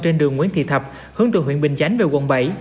trên đường nguyễn thị thập hướng từ huyện bình chánh về quận bảy